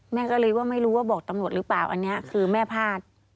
แม่ก็เลยว่าไม่รู้ว่าบอกตำรวจหรือเปล่าอันนี้คือแม่พลาด